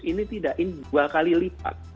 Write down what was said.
ini tidak dua kali lipat